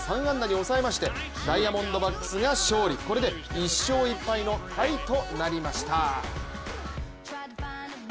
ダイヤモンドバックスが勝利、これで１勝１敗のタイとなりました。